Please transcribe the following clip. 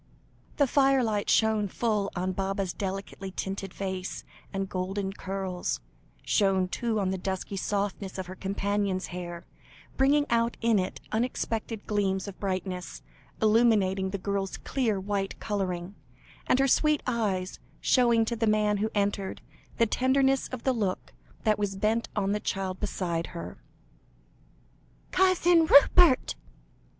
The firelight shone full on Baba's delicately tinted face, and golden curls; shone, too, on the dusky softness of her companion's hair, bringing out in it unexpected gleams of brightness, illuminating the girl's clear white colouring, and her sweet eyes, showing to the man who entered, the tenderness of the look that was bent on the little child beside her. "Cousin Rupert!"